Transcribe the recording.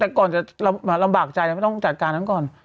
แต่ก่อนจะลำบากใจไม่ต้องจัดการนั้นก่อน